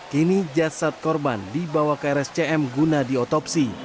kini jasad korban dibawa ke rscm guna diotopsi